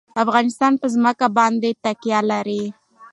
افغانستان په ځمکه باندې تکیه لري.